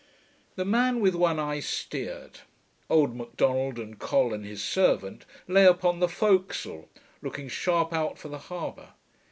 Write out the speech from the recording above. The man with one eye steered; old M'Donald, and Col and his servant, lay upon the fore castle, looking sharp out for the harbour.